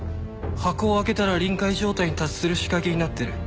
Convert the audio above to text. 箱を開けたら臨界状態に達する仕掛けになってる。